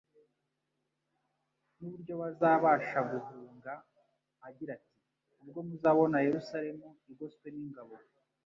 n'uburyo bazabasha guhunga agira ati: "Ubwo muzabona Yerusalemu igoswe n'ingabo